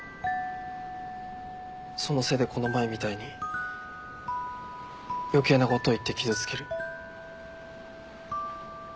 そのせいでこの前みたいに余計なことを言って傷つける。